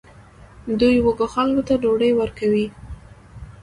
دوی وږو خلکو ته ډوډۍ ورکوي.